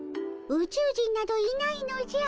ウチュウ人などいないのじゃ。